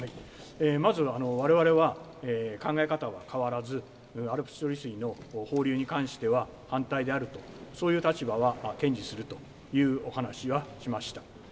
まず、われわれは、考え方は変わらず、ＡＬＰＳ処理水の放流に関しては反対であると、そういう立場は堅持するというお話はしました。